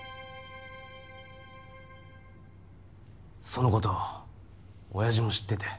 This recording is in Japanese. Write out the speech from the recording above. そのこと親父も知ってて。